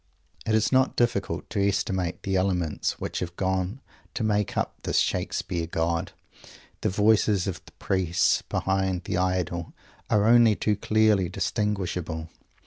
It is not difficult to estimate the elements which have gone to make up this Shakespeare God. The voices of the priests behind the Idol are only too clearly distinguishable.